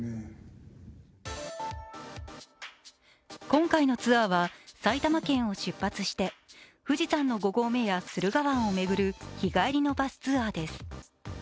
今回のツアーは埼玉県を出発して富士山の五合目や駿河湾を巡る日帰りのバスツアーです。